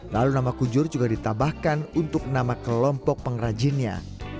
lalu nama kujur juga ditambahkan untuk nama kelompok pengrajinnya